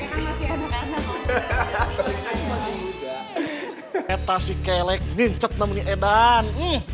kita si kelek ini cek namanya edan